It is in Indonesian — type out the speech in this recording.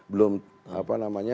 belum apa namanya